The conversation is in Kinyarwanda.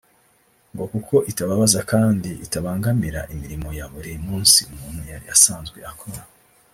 ngo kuko itababaza kandi itabangamira imirimo ya buri munsi umuntu yari asanzwe akora